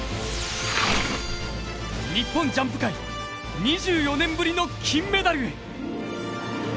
日本ジャンプ界２４年ぶりの金メダルへ。